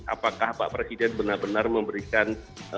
apakah pak presiden benar benar memberikan